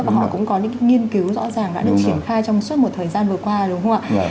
họ cũng có những nghiên cứu rõ ràng đã được triển khai trong suốt một thời gian vừa qua đúng không ạ